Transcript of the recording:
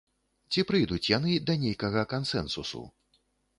Ці прыйдуць яны да нейкага кансэнсусу?